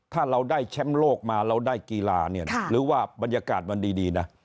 ถ้าเราได้แชมป์โลกมาเราได้กีฬาเนี่ยหรือว่าบรรยากาศมันดีนะ